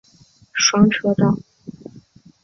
双车道。